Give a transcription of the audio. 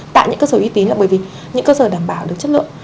tại những cơ sở y tế là bởi vì những cơ sở đảm bảo được chất lượng